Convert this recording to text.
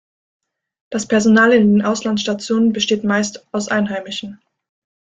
Das Personal in den Auslandsstationen besteht meist aus Einheimischen.